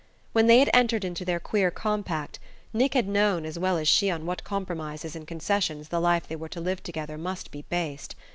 When they had entered into their queer compact, Nick had known as well as she on what compromises and concessions the life they were to live together must be based.